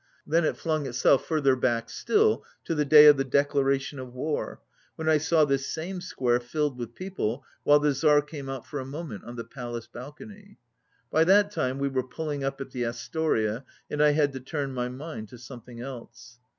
Then it flung itself further back still, to the day of the declaration of war, when I saw this same square filled with people, while the Tzar came out for a moment on the Palace balcony. By that time we were pulling up at the Astoria and I had to turn my mind to something else.